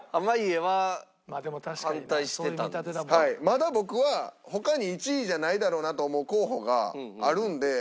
まだ僕は他に１位じゃないだろうなと思う候補があるんで。